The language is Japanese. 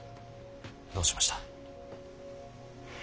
どうしました。